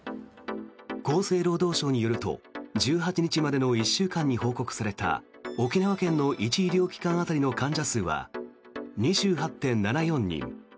厚生労働省によると１８日までの１週間に報告された沖縄県の１医療機関当たりの患者数は２８．７４人。